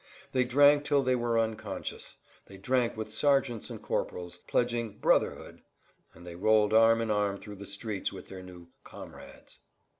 They drank till they were unconscious; they drank with sergeants and corporals, pledging "brotherhood"; and they rolled arm in arm through the streets with their new "comrades."